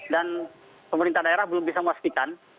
dan pemerintah daerah belum bisa memastikan